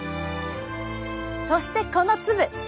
そしてこの粒。